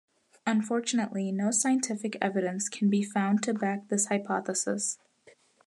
Unfortunately no scientific evidence can be found to back this hypothesis.